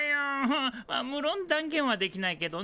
あっむろん断言はできないけどね。